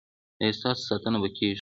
ایا ستاسو ساتنه به کیږي؟